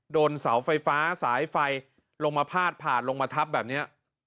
โดนเสาไฟฟ้าสายไฟลงมาพาดผ่านลงมาทับแบบนี้